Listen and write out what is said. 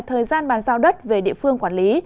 thời gian bàn giao đất về địa phương quản lý